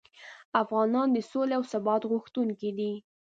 افغانان د سولې او ثبات غوښتونکي دي.